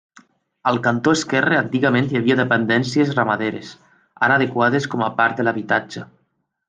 Al cantó esquerre antigament hi havia dependències ramaderes, ara adequades com a part de l'habitatge.